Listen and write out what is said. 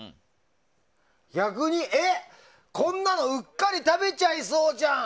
逆にえっ、こんなのうっかり食べちゃいそうじゃん！